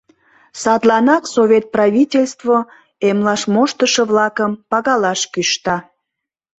Садланак Совет правительство эмлаш моштышо-влакым пагалаш кӱшта.